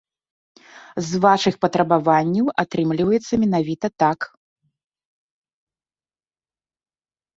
З вашых патрабаванняў атрымліваецца менавіта так.